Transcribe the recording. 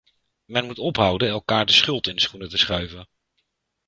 Men moet ophouden elkaar de schuld in de schoenen te schuiven!